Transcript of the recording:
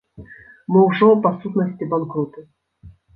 Мы ўжо, па сутнасці, банкруты.